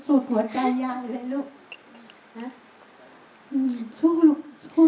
สุดหัวจ่าย้ายเลยลูก